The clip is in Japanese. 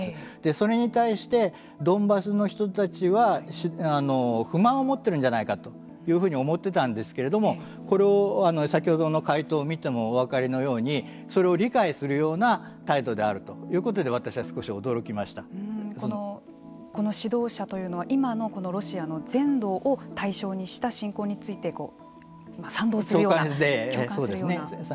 それに対してドンバスの人たちは不満を持ってるんじゃないかというふうに思ってたんですけれどもこれを先ほどの回答を見てもお分かりのようにそれを理解するような態度であるということでこの指導者というのは今のこのロシアの全土を対象にした侵攻について賛同するような共感するような。